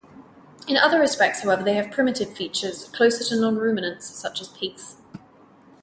In other respects, however, they have primitive features, closer to nonruminants such as pigs.